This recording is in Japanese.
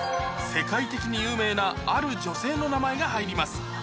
世界的に有名なある女性の名前が入ります